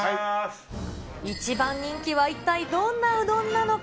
一番人気は一体どんなうどんなのか。